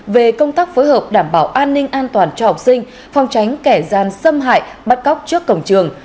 về công tác phối hợp đảm bảo an ninh an toàn cho học sinh phòng tránh kẻ gian xâm hại bắt cóc trước cổng trường